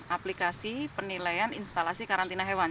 aplikasi penilaian instalasi karantina hewan